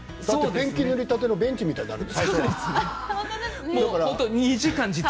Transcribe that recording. ペンキ塗りたてのベンチみたいになるの？